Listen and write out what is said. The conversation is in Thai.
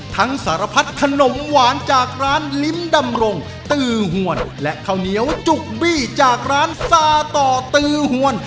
สารพัดขนมหวานจากร้านลิ้มดำรงตือหวนและข้าวเหนียวจุกบี้จากร้านซาต่อตือหวน